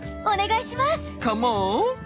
お願いします！